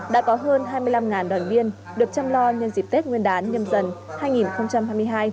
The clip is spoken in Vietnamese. đã có hơn hai mươi năm đoàn viên được chăm lo nhân dịp tết nguyên đán nhâm dần hai nghìn hai mươi hai